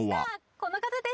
この方です。